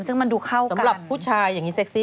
ซึ่งมันดูเข้ากันสำหรับผู้ชาย